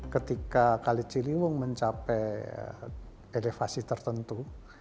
ketika kali ciliwung mencapai elevasi tertentu